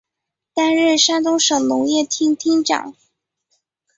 担任山东省农业厅厅长。